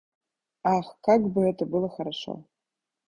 Ах, как бы это было хорошо!